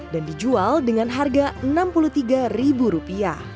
dan dijual dengan harga rp enam puluh tiga